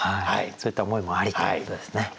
そういった思いもありということですね。